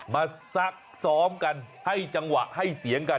ซักซ้อมกันให้จังหวะให้เสียงกัน